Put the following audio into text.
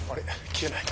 消えない。